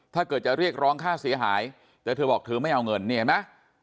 ถ้าเกิดจะเรียกร้องค่าเสียหายแต่เธอบอกเธอไม่เอาเงินนี่เห็นไหม